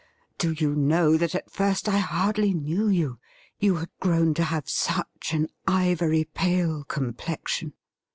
Do you know that at first I hardly knew you, you had gi'own to have such an ivoi y pale complexion